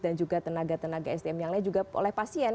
dan juga tenaga tenaga sdm yang lainnya juga oleh pasien